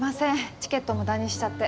チケット無駄にしちゃって。